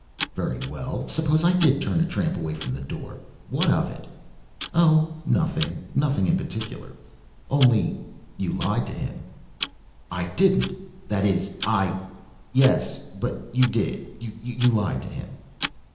"Very well. Suppose I did turn a tramp away from the door what of it?" "Oh, nothing; nothing in particular. Only you lied to him." "I didn't! That is, I " "Yes, but you did; you lied to him."